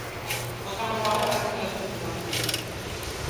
Votamos agora o resto dos puntos da moción.